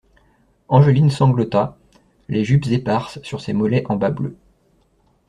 Angeline sanglota, les jupes éparses sur ses mollets en bas bleus.